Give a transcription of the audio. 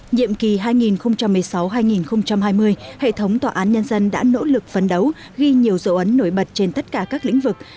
nhiệm kỳ hai nghìn một mươi sáu hai nghìn hai mươi hệ thống tòa án nhân dân đã nỗ lực phấn đấu ghi nhiều dấu ấn nổi bật trên tất cả các lĩnh vực